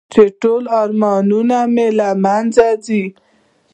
چې ټول ارمانونه مې له منځه ځي .